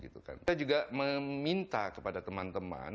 kita juga meminta kepada teman teman